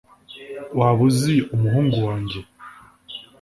waba uzi umuhungu wanjye